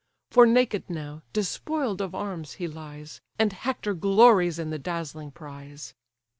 For naked now, despoiled of arms, he lies; And Hector glories in the dazzling prize."